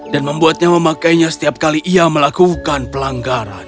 dan membuatnya memakainya setiap kali ia melakukan pelanggaran